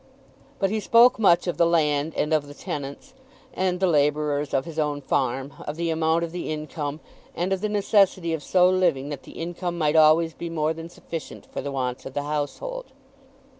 But he spoke much of the land and of the tenants and the labourers, of his own farm, of the amount of the income, and of the necessity of so living that the income might always be more than sufficient for the wants of the household.